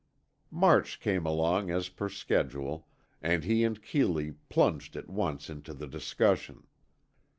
March came along as per schedule, and he and Keeley plunged at once into the discussion.